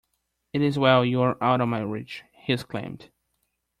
‘It is well you are out of my reach,’ he exclaimed.